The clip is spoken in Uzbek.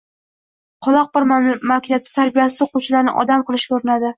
Qoloq bir maktabda tarbiyasiz oʻquvchilarni odam qilishga urinadi